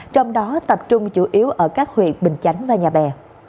trong đó tập trung chủ yếu ở các huyện bình chánh và nhà bè